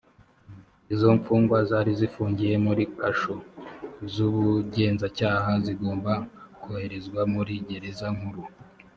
izo mfungwa zari zifungiye muri kasho z ubugenzacyaha zigomba koherezwa muri gereza nkuru